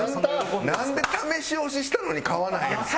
なんで試し押ししたのに買わないんですか。